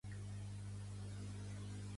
El projecte Aina és molt interessant.